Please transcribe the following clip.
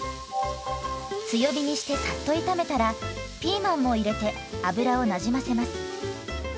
強火にしてさっと炒めたらピーマンも入れて油をなじませます。